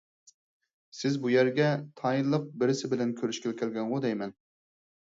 سىز بۇ يەرگە تايىنلىق بىرسى بىلەن كۆرۈشكىلى كەلگەنغۇ دەيمەن؟